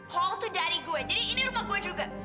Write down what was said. hal itu dari gue jadi ini rumah gue juga